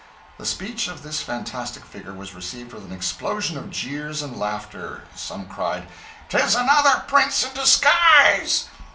The speech of this fantastic figure was received with an explosion of jeers and laughter. Some cried, "'Tis another prince in disguise!"